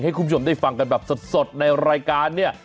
ให้คุณผู้ชมได้ฟังกันแบบสดในรายการเนี่ย